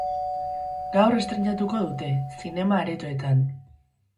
Gaur estreinatuko dute, zinema aretoetan.